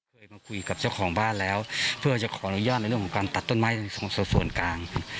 เคยมาคุยกับเจ้าของบ้านแล้วเพื่อจะขออนุญาตในเรื่องของการตัดต้นไม้ในส่วนกลาง